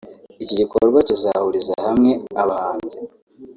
Iki gikorwa kizahuriza hamwe abahanzi